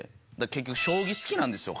結局将棋好きなんですよ